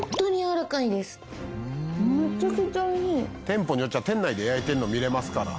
店舗によっては店内で焼いてるの見れますから。